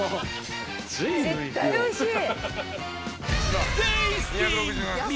絶対おいしい！